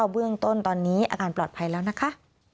เบื้องต้นตอนนี้อาการปลอดภัยแล้วนะคะ